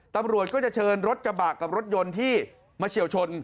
ตำรวจก็จะเชิญรถกระบะกับรถยนต์ที่มาเฉียวชน